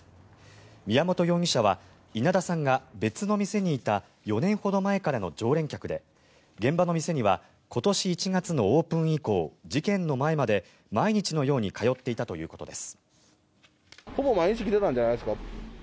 宮本容疑者は稲田さんが別の店にいた４年ほど前からの常連客で現場の店には今年１月のオープン以降事件の前まで毎日のように通っていたということです。